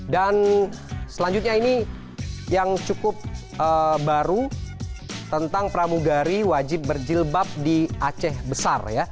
dan selanjutnya ini yang cukup baru tentang pramugari wajib berjilbab di aceh besar